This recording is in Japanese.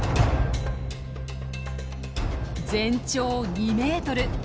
全長２メートル。